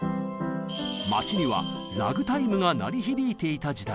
街にはラグタイムが鳴り響いていた時代です。